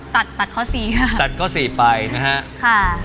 ตัดข้อสี่ไปนะฮะ